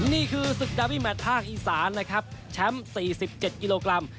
นี่คือศึกดาวิแมทภาคอีสานนะครับแชมป์๔๗กิโลกรัม